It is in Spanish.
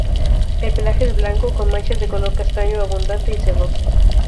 El pelaje es blanco, con manchas de color castaño, abundante y sedoso.